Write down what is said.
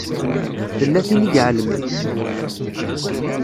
Tella tin i ɛelmen.